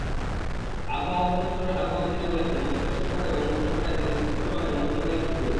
আবহাওয়া অধিদপ্তরের আবহাওয়াবিদেরা বলেছেন, মৌসুমের শেষভাগেও বঙ্গোপসাগরে এবং দেশের স্থলভাগে মৌসুমি বায়ু সক্রিয়।